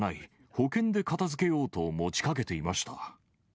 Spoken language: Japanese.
保険で片づけようと持ちかけていました。